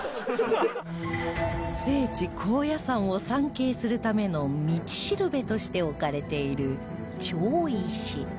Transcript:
聖地高野山を参詣するための道しるべとして置かれている町石